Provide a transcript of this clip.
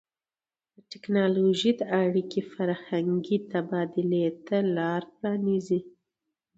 د ټیکنالوژۍ دا اړیکې فرهنګي تبادلې ته لار پرانیزي.